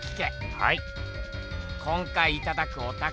はい。